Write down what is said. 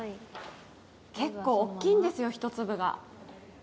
結構大きいんですよ、一粒が。